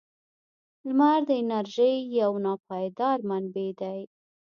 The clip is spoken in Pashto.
• لمر د انرژۍ یو ناپایدار منبع دی.